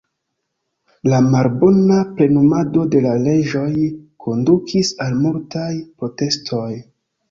La malbona plenumado de la leĝoj kondukis al multaj protestoj.